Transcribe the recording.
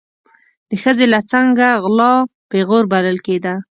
د ښځې له څنګه غلا پیغور بلل کېده.